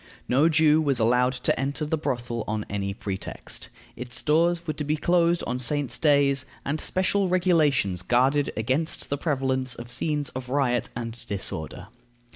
No Jew was allowed to enter the brothel on any pretext. Its doors were to be closed on saints' days, and special regulations guarded against the prevalence of scenes of riot and disorder.